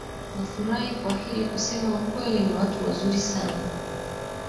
nafurahi kwa hili kusema ukweli ni watu wazuri sana